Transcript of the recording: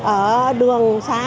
ở đường xã